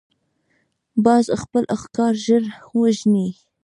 باز خپل ښکار ژر وژني